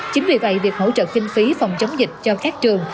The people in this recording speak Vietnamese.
chính vì vậy việc hỗ trợ kinh phí phòng chống dịch cho các trường